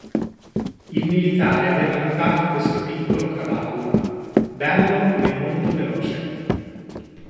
Il militare aveva notato questo piccolo cavallo, bello e molto veloce.